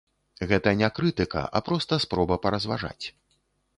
Гэта не крытыка, а проста спроба паразважаць.